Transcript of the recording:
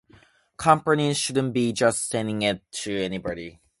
Companies shouldn't be just sending it to anybody.